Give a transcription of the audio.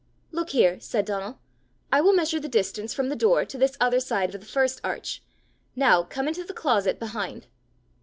"Look here," said Donal; "I will measure the distance from the door to the other side of this first arch. Now come into the closet behind.